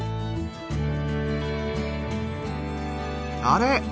あれ？